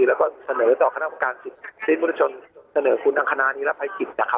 และเค้าเสนอต่อค่านำวิการศิษย์พลัตชนอำคาณานี้รับภัยสินทร์